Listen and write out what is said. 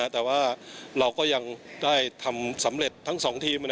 แต่ว่าเราก็ยังได้ทำสำเร็จทั้ง๒ทีม